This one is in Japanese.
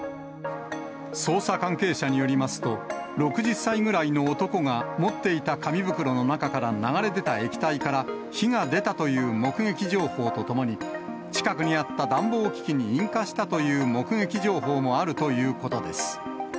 捜査関係者によりますと、６０歳ぐらいの男が持っていた紙袋の中から流れ出た液体から火が出たという目撃情報とともに、近くにあった暖房機器に引火したという目撃情報もあるということです。